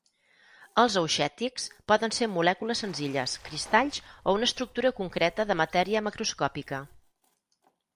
Els auxètics poden ser molècules senzilles, cristalls o una estructura concreta de matèria macroscòpica.